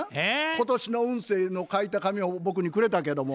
今年の運勢の書いた紙を僕にくれたけども。